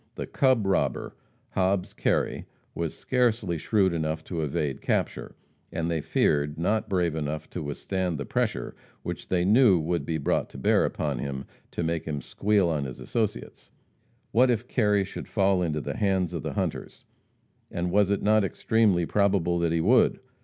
The "cub" robber, Hobbs Kerry, was scarcely shrewd enough to evade capture, and, they feared, not brave enough to withstand the pressure which they knew would be brought to bear upon him to "make him squeal on his associates." What if Kerry should fall into the hands of the hunters? And was it not extremely probable that he would?